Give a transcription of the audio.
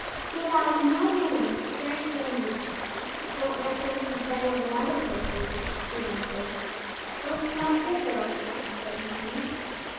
"He allows no man to strike Dandy." "Don't reckon he's better than other horses," he answered. "Folks might differ on that," said Herman.